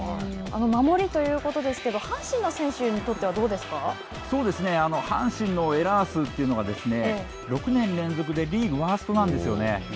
守りということですけど阪神の選手にとっては、どうです阪神のエラー数というのが６年連続でリーグワーストなんですよね。